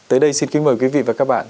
tới đây xin kính mời quý vị và các bạn